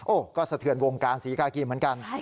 ก็สะเทือนวงการศรีกากีเหมือนกัน